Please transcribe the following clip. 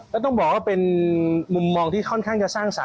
แล้วต้องบอกว่าเป็นมุมมองที่ค่อนข้างจะสร้างสรรค